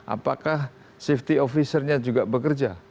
apakah safety officer nya juga bekerja